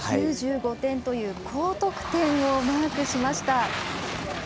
９５点という高得点をマークしました。